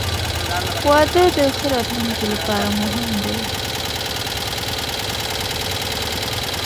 • واده د ښه راتلونکي لپاره مهم دی.